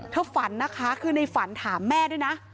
ฝันนะคะคือในฝันถามแม่ด้วยนะ